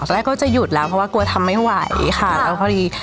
แรกก็จะหยุดแล้วเพราะว่ากลัวทำไม่ไหวค่ะแล้วพอดี